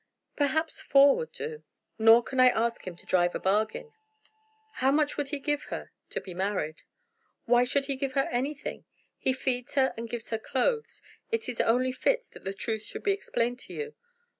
"Perhaps four would do." "Nor can I ask him to drive a bargain." "How much would he give her to be married?" "Why should he give her anything? He feeds her and gives her clothes. It is only fit that the truth should be explained to you.